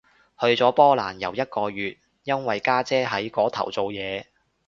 去咗波蘭遊一個月，因為家姐喺嗰頭做嘢